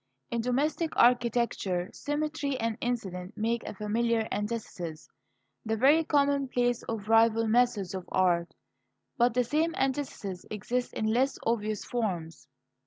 In domestic architecture Symmetry and Incident make a familiar antithesis the very commonplace of rival methods of art. But the same antithesis exists in less obvious forms.